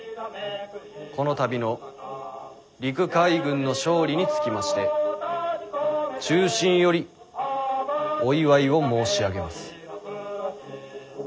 この度の陸海軍の勝利につきまして衷心よりお祝いを申し上げます」。